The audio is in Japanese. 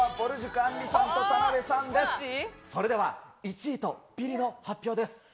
それでは１位とビリの発表です。